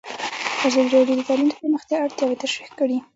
ازادي راډیو د تعلیم د پراختیا اړتیاوې تشریح کړي.